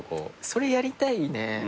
それやりたいね。